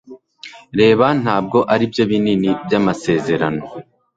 Reba ntabwo aribyo binini byamasezerano